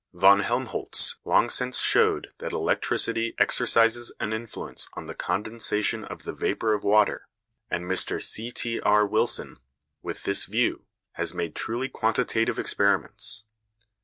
Von Helmholtz long since showed that electricity exercises an influence on the condensation of the vapour of water, and Mr C.T.R. Wilson, with this view, has made truly quantitative experiments.